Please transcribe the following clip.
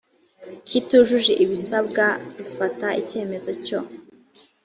kitujuje ibisabwa rufata icyemezo cyo